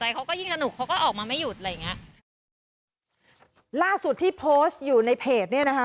อะไรอย่างเงี้ยล่าสุดที่โพสต์อยู่ในเพจเนี้ยนะคะ